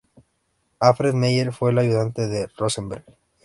Alfred Meyer fue el ayudante de Rosenberg.